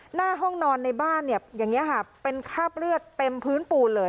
หน้าห้องนอนในบ้านเนี่ยอย่างนี้ค่ะเป็นคราบเลือดเต็มพื้นปูนเลย